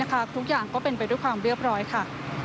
ทุกอย่างก็เป็นไปด้วยความเรียบร้อยค่ะ